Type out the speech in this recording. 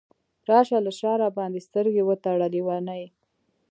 راشه له شاه راباندې سترګې وتړه لیونۍ !